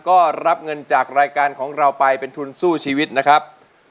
ก็รับเงินจากรายการของเราไปเป็นทุนสู้ชีวิตนะครับ